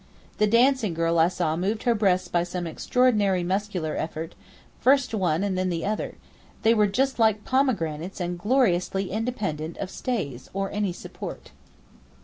The dancing girl I saw moved her breasts by some extraordinary muscular effort, first one and then the other; they were just like pomegranates and gloriously independent of stays or any support.